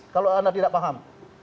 kalau anda tidak paham